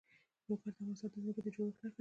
لوگر د افغانستان د ځمکې د جوړښت نښه ده.